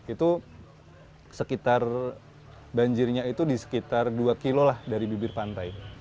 itu sekitar banjirnya itu di sekitar dua kilo lah dari bibir pantai